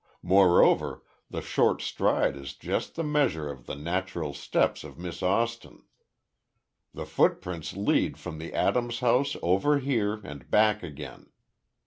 Moreover, the short stride is just the measure of the natural steps of Miss Austin. The footprints lead from the Adams house over here and back again.